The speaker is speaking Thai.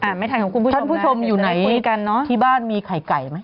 ไม่ทันของคุณผู้ชมท่านผู้ชมอยู่ไหนคุยกันเนอะที่บ้านมีไข่ไก่ไหม